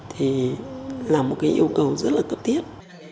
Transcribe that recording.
thì là một cái yêu cầu rất là cấp thiết